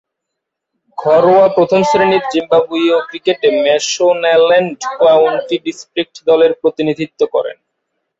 ঘরোয়া প্রথম-শ্রেণীর জিম্বাবুয়ীয় ক্রিকেটে ম্যাশোনাল্যান্ড কাউন্টি ডিস্ট্রিক্টস দলের প্রতিনিধিত্ব করেন।